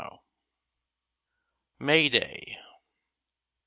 ] MAY DAY.